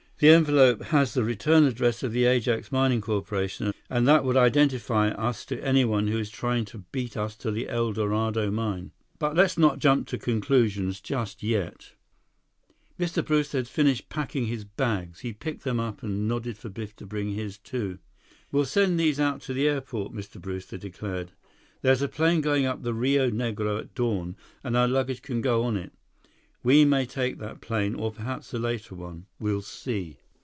"The envelope has the return address of the Ajax Mining Corporation, and that would identify us to anyone who is trying to beat us to the El Dorado mine. But let's not jump to conclusions just yet." Mr. Brewster had finished packing his bags. He picked them up and nodded for Biff to bring his, too. "We'll send these out to the airport," Mr. Brewster declared. "There's a plane going up the Rio Negro at dawn, and our luggage can go on it. We may take that plane, or perhaps a later one. We'll see."